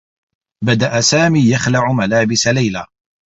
بدأ سامي يخلع ملابس ليلى.